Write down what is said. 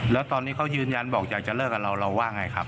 แล้วตอนนี้เขายืนยันบอกอยากจะเลิกกับเราเราว่าไงครับ